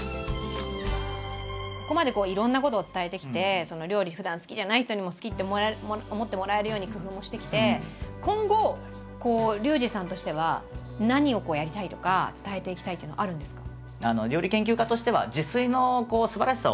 ここまでいろんなことを伝えてきて料理ふだん好きじゃない人にも好きって思ってもらえるように工夫もしてきて今後リュウジさんとしては何をやりたいとか伝えていきたいっていうのはあるんですか？